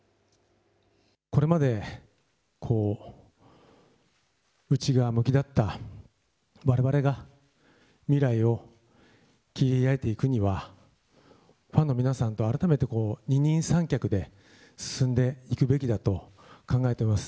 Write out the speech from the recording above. これまで内側向きだったわれわれが、未来を切り開いていくには、ファンの皆さんと改めて二人三脚で進んでいくべきだと考えてます。